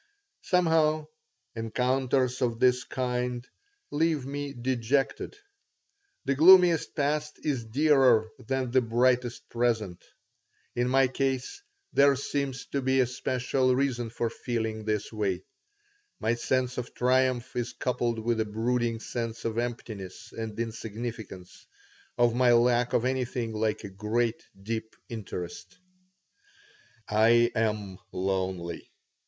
Somehow, encounters of this kind leave me dejected. The gloomiest past is dearer than the brightest present. In my case there seems to be a special reason for feeling this way. My sense of triumph is coupled with a brooding sense of emptiness and insignificance, of my lack of anything like a great, deep interest I am lonely.